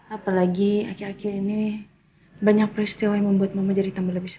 apalagi akhir akhir ini banyak peristiwa yang membuat mama jadi tambah lebih stres